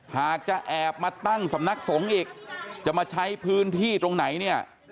หากจะแอบมาตั้งสำนักสงฆ์อีกจะมาใช้พื้นที่ตรงไหนเนี่ย